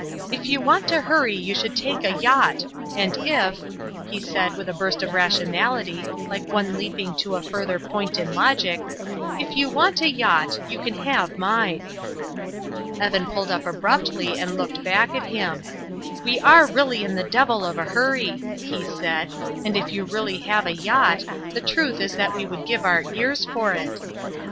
"If you want to hurry you should take a yacht, and if" he said, with a burst of rationality, like one leaping to a further point in logic "if you want a yacht you can have mine." Evan pulled up abruptly and looked back at him. "We are really in the devil of a hurry," he said, "and if you really have a yacht, the truth is that we would give our ears for it."